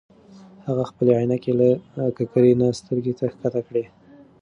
هغه خپلې عینکې له ککرۍ نه سترګو ته ښکته کړې.